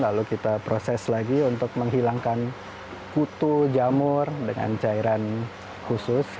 lalu kita proses lagi untuk menghilangkan kutu jamur dengan cairan khusus